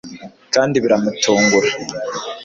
kandi biramutungura